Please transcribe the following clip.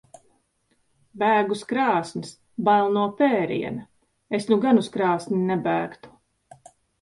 Bēg uz krāsns. Bail no pēriena. Es nu gan uz krāsni nebēgtu.